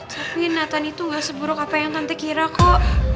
tapi nathan itu gak seburuk apa yang tante kira kok